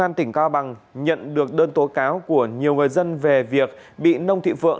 công an tỉnh cao bằng nhận được đơn tố cáo của nhiều người dân về việc bị nông thị phượng